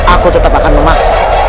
aku tetap akan memaksa